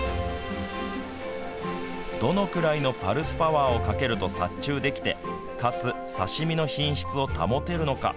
どのくらいのパルスパワーをかけると殺虫できてかつ、刺身の品質を保てるのか。